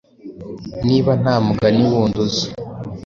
Niba nta mugani wundi uzi,